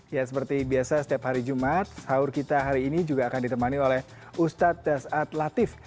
ya seperti biasa setiap hari jumat sahur kita hari ini juga akan ditemani oleh ustadz dasat latif